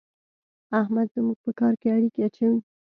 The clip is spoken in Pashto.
احمد زموږ په کار کې اړېکی اچوي.